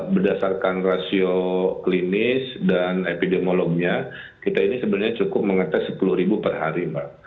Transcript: berdasarkan rasio klinis dan epidemiolognya kita ini sebenarnya cukup mengetes sepuluh per hari mbak